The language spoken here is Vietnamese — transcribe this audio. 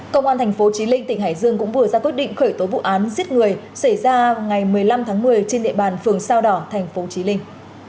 công an tp chí linh tỉnh hải dương cũng vừa ra quyết định khởi tối vụ án giết người xảy ra ngày một mươi năm tháng một mươi trên địa bàn phường sao đỏ tp chí linh